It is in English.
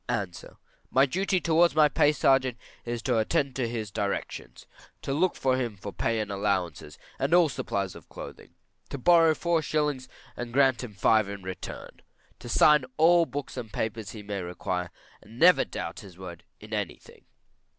A. My duty towards my pay sergeant is to attend to his directions, to look to him for pay and allowances, and all supplies of clothing; to borrow four shillings and give him five in return, to sign all books and papers he may require, and to never doubt his word in any thing.